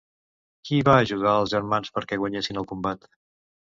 Qui va ajudar els germans perquè guanyessin el combat?